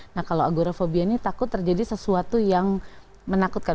nah kalau agorofobia ini takut terjadi sesuatu yang menakutkan